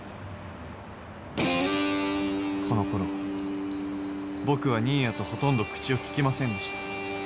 このころ、僕は新谷とほとんど口をききませんでした。